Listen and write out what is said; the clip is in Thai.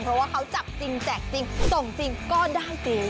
เพราะว่าเขาจับจริงแจกจริงส่งจริงก็ได้จริง